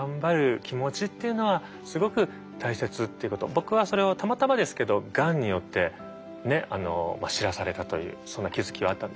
僕はそれをたまたまですけどがんによって知らされたというそんな気付きはあったんですよね。